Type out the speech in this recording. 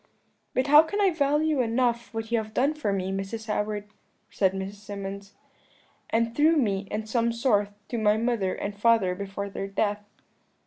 "'But how can I value enough what you have done for me, Mrs. Howard?' said Mrs. Symonds, 'and through me, in some sort, to my mother and father before their death.'